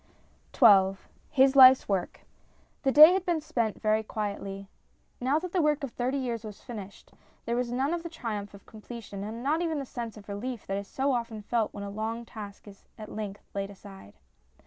XII HIS LIFE'S WORK THE day had been spent very quietly. Now that the work of thirty years was finished, there was none of the triumph of completion and not even the sense of relief that is so often felt when a long task is at length laid aside.